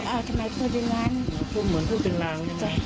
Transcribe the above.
เอาทำไมพูดอย่างนั้น